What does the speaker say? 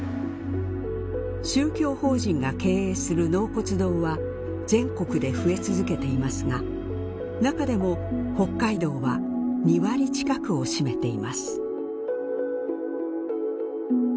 宗教法人が経営する納骨堂は全国で増え続けていますが中でも北海道は２割近くを占めています。